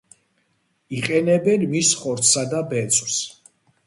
იყენებენ მის ხორცსა და ბეწვს.